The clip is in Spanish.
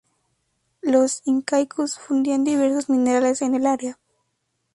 Los incaicos fundían diversos minerales en el área.